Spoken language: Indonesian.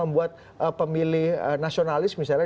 buat pemilih nasionalis misalnya